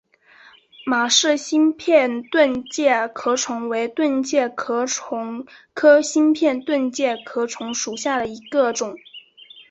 马氏新片盾介壳虫为盾介壳虫科新片盾介壳虫属下的一个种。